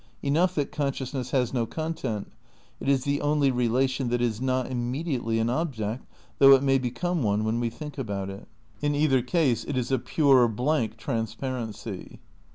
Enough that consciousness has no content. It is the only relation that is not immediately an object, though it may be come one when we think about it. In either case it is a pure, blank transparency.